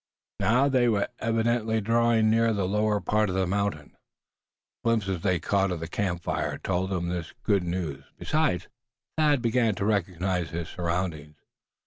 Now they were evidently drawing nearer the lower part of the mountain. Glimpses they caught of the camp fire told them this good news. Besides, Thad really began to recognize his surroundings.